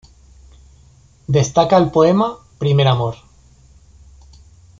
Destaca el poema "Primer amor".